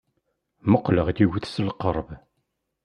Mmuqqleɣ yiwet s lqerb.